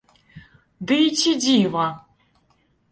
Ды і ці дзіва!